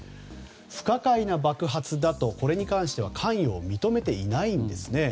不可解な爆発だとこれに関しては関与を認めていないんですね。